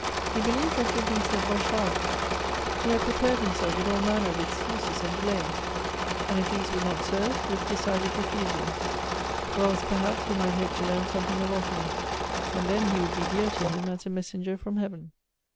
He believed that he had been sent by Charlotte. He had prepared himself with all manner of excuses and delays ; and if these would not serve, with decided refusals ; or else, perhaps, he might hope to learn something of Ottilie, — and then he would be dear to him as a messenger from heaven.